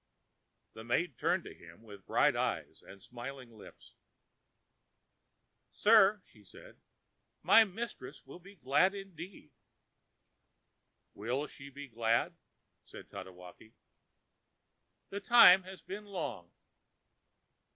ã The maid turned to him with bright eyes and smiling lips: ãSir,ã she said, ãmy mistress will be glad indeed.ã ãWill she be glad?ã said Tatewaki. ãThe time has been long.